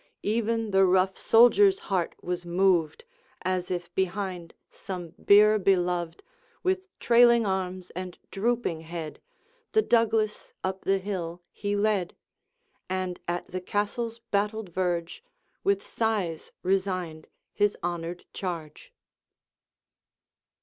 Even the rough soldier's heart was moved; As if behind some bier beloved, With trailing arms and drooping head, The Douglas up the hill he led, And at the Castle's battled verge, With sighs resigned his honoured charge.